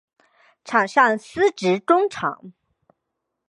场上司职中场。